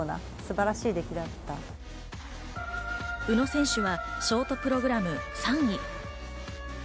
宇野選手はショートプログラム３位。